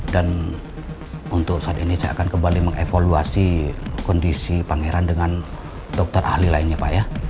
dan untuk saat ini saya akan kembali mengevaluasi kondisi pangeran dengan dokter ahli lainnya pak ya